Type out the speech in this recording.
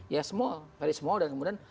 ya small very small dan kemudian